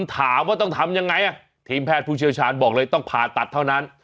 ถามว่าต้องทำยังไงทีมแพทย์ผู้เชี่ยวชาญบอกเลยต้องผ่าตัดเท่านั้น